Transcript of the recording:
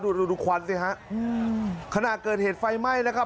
ดูดูควันสิฮะอืมขณะเกิดเหตุไฟไหม้นะครับ